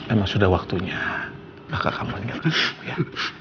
emang sudah waktunya kakak kamu meninggalkan aku ya